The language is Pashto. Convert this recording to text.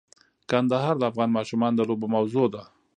کندهار د افغان ماشومانو د لوبو موضوع ده.